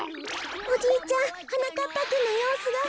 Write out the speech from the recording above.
おじいちゃんはなかっぱくんのようすが。